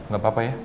gak apa apa ya